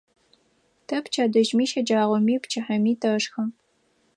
Тэ пчэдыжьыми, щэджагъоми, пчыхьэми тэшхэ.